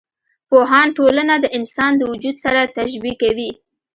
پوهان ټولنه د انسان د وجود سره تشبي کوي.